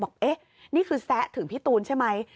บอกเอ๊ะนี่คือแซะถึงพี่ตูนใช่ไหม